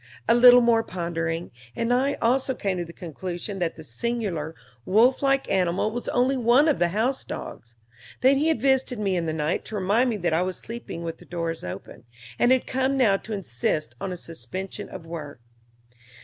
A little more pondering, and I also came to the conclusion that the singular wolf like animal was only one of the house dogs; that he had visited me in the night to remind me that I was sleeping with the door open, and had come now to insist on a suspension of work.